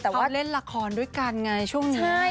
แต่ว่าเล่นละครด้วยกันไงช่วงนี้